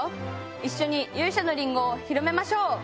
一緒に勇者のりんごを広めましょう。